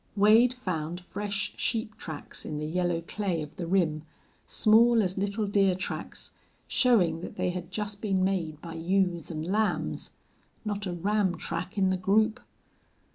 Wade found fresh sheep tracks in the yellow clay of the rim, small as little deer tracks, showing that they had just been made by ewes and lambs. Not a ram track in the group!